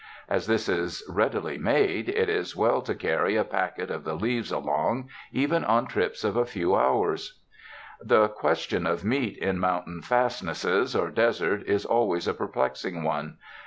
As this is readily made, it is well to carry a packet of the leaves along, even on trips of a few hours. The question of meat in mountain fastnesses or desert is always a perplexing one.